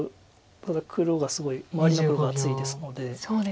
ただ黒がすごい周りの黒が厚いですので。